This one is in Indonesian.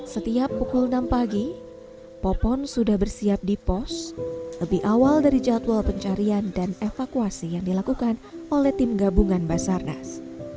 setiap pukul enam pagi popon sudah bersiap di pos lebih awal dari jadwal pencarian dan evakuasi yang dilakukan oleh tim gabungan basarnas